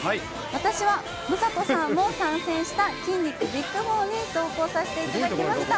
私は魔裟斗さんも参戦した筋肉ＢＩＧ４に同行させていただきました。